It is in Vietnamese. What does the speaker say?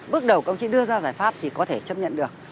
bước đầu công chí đưa ra giải pháp thì có thể chấp nhận được